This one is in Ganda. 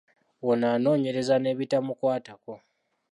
Oyo anoonyereza n'ebitamukwatako.